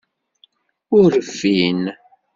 Ur rfin.